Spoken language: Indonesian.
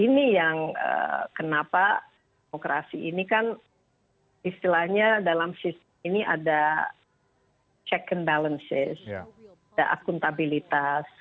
ini yang kenapa demokrasi ini kan istilahnya dalam sistem ini ada check and balances ada akuntabilitas